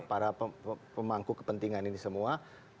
para pemangku kepentingan ini semua